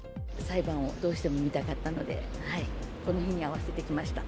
裁判をどうしても見たかったので、この日に合わせて来ました。